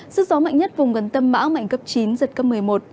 sức gió mạnh nhất vùng gần tâm bão mạnh cấp chín giật cấp một mươi một